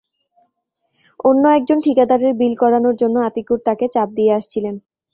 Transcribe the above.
অন্য একজন ঠিকাদারের বিল করানোর জন্য আতিকুর তাঁকে চাপ দিয়ে আসছিলেন।